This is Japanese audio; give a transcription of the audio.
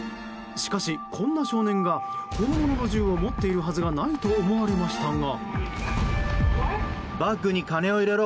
しかし、こんな少年が本物の銃を持っているはずがないと思われましたが。